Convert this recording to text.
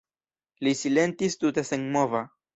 Li silentis tute senmova.